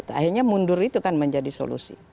akhirnya mundur itu kan menjadi solusi